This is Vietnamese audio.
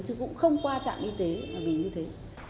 chứ cũng không qua trạm y tế vì như thế